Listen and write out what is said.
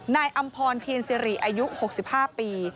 นายอำพรณ์เทียนซีรีย์อายุ๖๕ปี